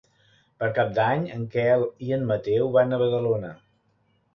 Per Cap d'Any en Quel i en Mateu van a Badalona.